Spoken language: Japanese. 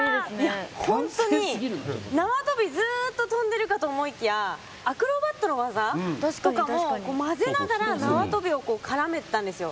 ほんとになわとびをずっと跳んでるかと思いきやアクロバットな技とかも交ぜながらなわとびを絡めてたんですよ。